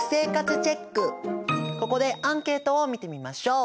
ここでアンケートを見てみましょう。